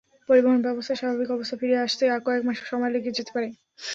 পরিবহনব্যবস্থায় স্বাভাবিক অবস্থা ফিরে আসতে কয়েক মাস সময় লেগে যেতে পারে।